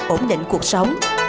ổn định cuộc sống